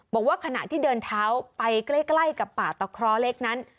บอกว่าขณะที่เดินเท้าไปใกล้กับป่าตะเคราะห์เล็กนั้น